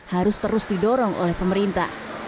harus terus didorong oleh pemerintah